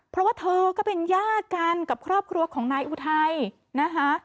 เพราะว่าเธอก็เป็นญาติกันกับครอบครัวของนายอุทัยนะคะ